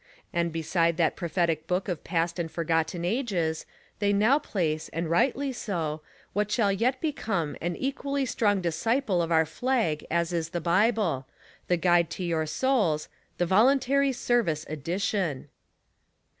And beside that prophetic book of past and forgotten ages they now place, and rightly so, what_ shall yet become an equally strong disciple of our flag as is the Bible, the guide to our souls—the VOLUNTARY SERVICE EDITION.